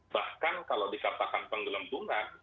bahkan kalau dikatakan penggelembungan